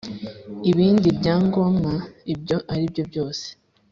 ibindi byangomwa ibyo aribyo byose